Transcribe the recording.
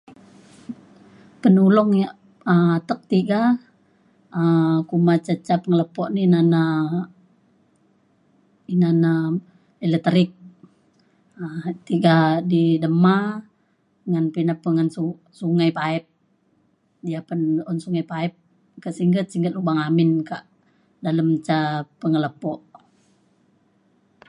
penulong ia' um atek tiga um kuma ca ca pengelepo ni na na ina na elektrik um tiga di dema ngan pina pe sungai paip dia pen un sungai paip ke singget singget lubang amin ka dalem ca pengelepo